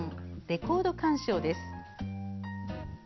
レコード鑑賞です。